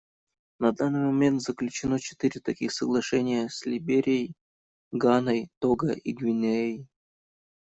На данный момент заключено четыре таких соглашения — с Либерией, Ганой, Того и Гвинеей.